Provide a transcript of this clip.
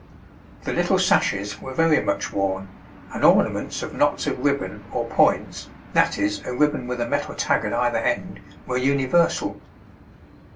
The little sashes were very much worn, and ornaments of knots of ribbon or points (that is, a ribbon with a metal tag at either end) were universal.